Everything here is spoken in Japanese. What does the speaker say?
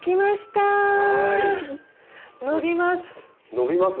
伸びます。